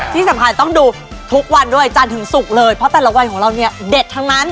ที่สำคัญต้องดูทุกวันด้วยจันทร์ถึงศุกร์เลยเพราะแต่ละวันของเราเนี่ยเด็ดทั้งนั้น